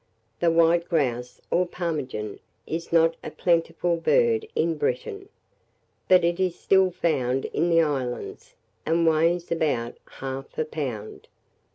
The white grouse, or ptarmigan, is not a plentiful bird in Britain; but it is still found in the islands, and weighs about half a pound.